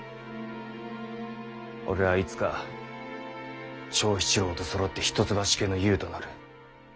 俺はいつか長七郎とそろって一橋家の雄となる。